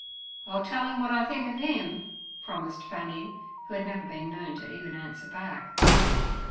'I'll tell 'im wot I think ov 'im' promised Fanny, who had never been known to even answer back.